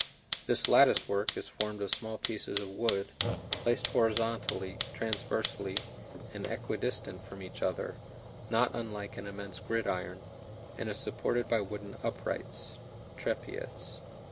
This lattice work is formed of small pieces of wood, placed horizontally, transversely, and equidistant from each other, not unlike an immense gridiron, and is supported by wooden uprights (trepieds).